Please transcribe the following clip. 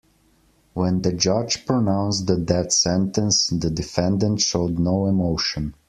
When the judge pronounced the death sentence, the defendant showed no emotion.